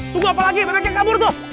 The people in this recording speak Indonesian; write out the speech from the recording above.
tunggu apalagi anak yang kabur tuh